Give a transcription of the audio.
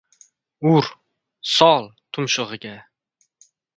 — Ur! Sol, tumshug‘iga!